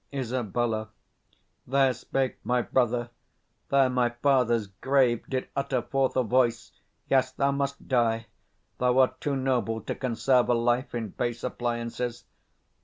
Isab. There spake my brother; there my father's grave Did utter forth a voice. Yes, thou must die: Thou art too noble to conserve a life 85 In base appliances.